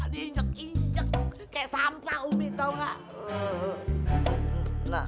di njek njek kaya sampah ummi tau ga